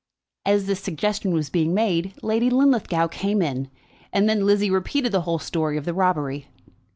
As this suggestion was being made Lady Linlithgow came in, and then Lizzie repeated the whole story of the robbery.